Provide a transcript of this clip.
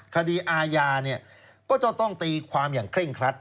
คดีอาญาเนี่ยก็จะต้องตีความอย่างเคร่งครัด